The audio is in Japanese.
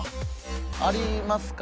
ありますか？